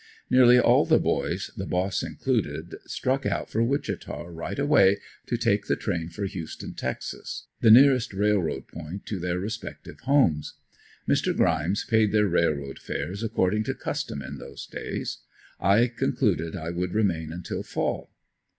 Nearly all the boys, the boss included, struck out for Wichita right away to take the train for Houston, Texas, the nearest railroad point to their respective homes. Mr. Grimes paid their railroad fares according to custom in those days. I concluded I would remain until fall.